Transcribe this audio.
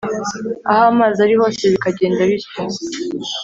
aho amazi ari hose bikagenda bityo,